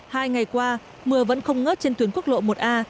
hai ngày qua mưa vẫn không ngớt trên tuyến quốc lộ một a